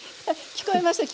聞こえました？